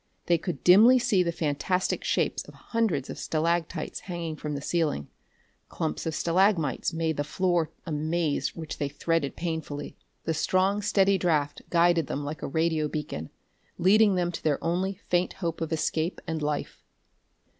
They could dimly see the fantastic shapes of hundreds of stalactites hanging from the ceiling. Clumps of stalagmites made the floor a maze which they threaded painfully. The strong steady draft guided them like a radio beacon, leading them to their only faint hope of escape and life.